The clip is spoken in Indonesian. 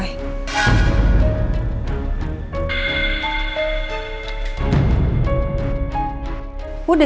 paket makanan buat bu andin